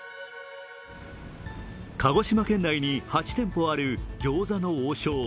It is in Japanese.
鹿児島県内に８店舗ある餃子の王将。